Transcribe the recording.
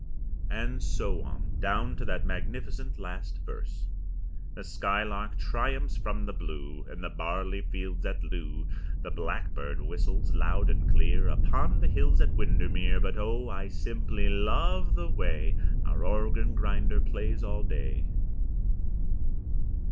And so on, down to that magnificent last verse: The skylark triumphs from the blue, Above the barley fields at Loo, The blackbird whistles loud and clear Upon the hills at Windermere; But oh, I simply LOVE the way Our organ grinder plays all day!